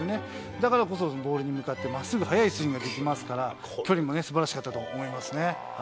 だからこそ、ボールに向かって、まっすぐ速いスイングができますから、距離もね、すばらしかったと思いますね。